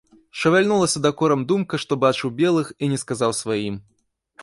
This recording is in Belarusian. Шавяльнулася дакорам думка, што бачыў белых і не сказаў сваім.